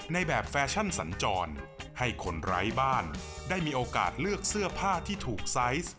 ในแบบแฟชั่นสัญจรให้คนไร้บ้านได้มีโอกาสเลือกเสื้อผ้าที่ถูกไซส์